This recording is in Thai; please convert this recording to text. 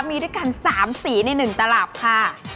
มีด้วยกัน๓สีใน๑ตลับค่ะ